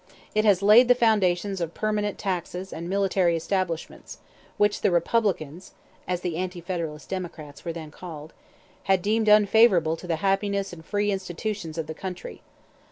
It has laid the foundations of permanent taxes and military establishments, which the Republicans [as the anti Federalist Democrats were then called] had deemed unfavorable to the happiness and free institutions of the country.